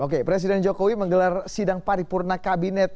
oke presiden jokowi menggelar sidang paripurna kabinet